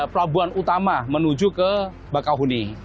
jadi pelabuhan utama menuju ke bakau huni